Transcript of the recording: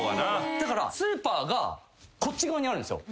だからスーパーがこっち側にあるんですよ。